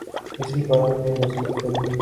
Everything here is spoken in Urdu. اسی بارے میں مزید پڑھیے